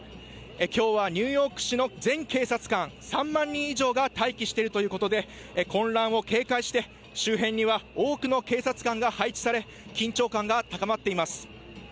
今日はニューヨーク市の全警察官３万人以上が待機しているということで混乱を警戒して周辺には多くの警察官が配置され緊張感が高まっています。